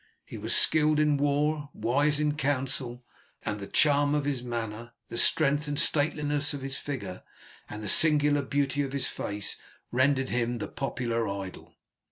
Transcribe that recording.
He was skilled in war, and wise in counsel, and the charm of his manner, the strength and stateliness of his figure, and the singular beauty of his face rendered him the popular idol.